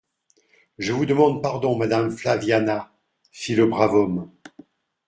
Je vous demande pardon, madame Flaviana,» fit le brave homme.